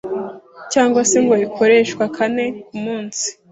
cyangwa se ngo ikoreshwa kane ku munsi